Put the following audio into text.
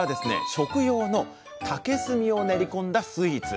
食用の竹炭を練り込んだスイーツ。